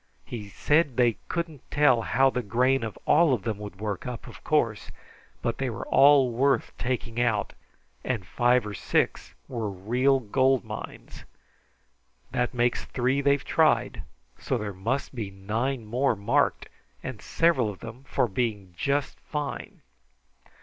He said they couldn't tell how the grain of all of them would work up, of course, but they were all worth taking out, and five or six were real gold mines. This makes three they've tried, so there must be nine more marked, and several of them for being just fine."